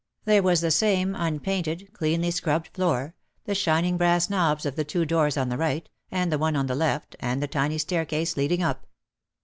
There was the same un painted, cleanly scrubbed floor, the shining brass knobs of the two doors on the right, and the one on the left, and the tiny staircase leading up.